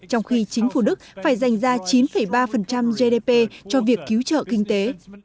trong khi chính phủ đức phải giành ra chín ba gdp cho việc cứu trợ kinh tế